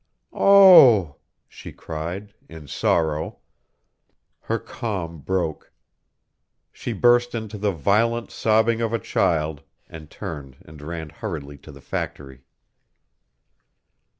"Oh!" she cried, in sorrow. Her calm broke. She burst into the violent sobbing of a child, and turned and ran hurriedly to the factory.